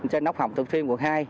trên ốc hồng thượng phiên quận hai